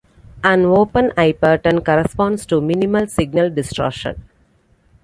An open eye pattern corresponds to minimal signal distortion.